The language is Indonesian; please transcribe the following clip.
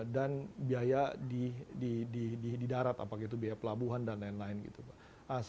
dan biaya di darat apakah itu biaya pelabuhan dan lain lain